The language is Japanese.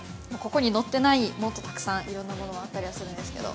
◆ここに載ってない、もっとたくさん、いろんなものあったりするんですけど。